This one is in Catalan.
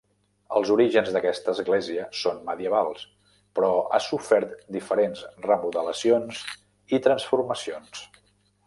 Els orígens d'aquesta església són medievals, però ha sofert diferents remodelacions i transformacions.